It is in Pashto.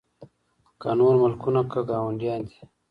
که نور ملکونه که ګاونډیان دي